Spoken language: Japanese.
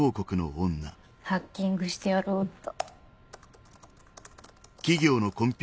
ハッキングしてやろうっと。